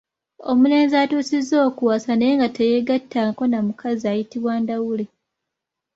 Omulenzi atuusizza okuwasa naye nga teyeegattangako na mukazi ayitibwa ndawule.